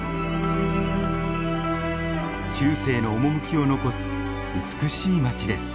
中世の趣を残す美しい町です。